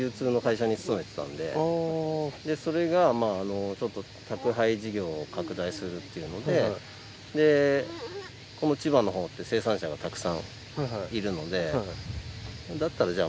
それが宅配事業を拡大するっていうのでこの千葉のほうって生産者がたくさんいるのでだったらじゃあ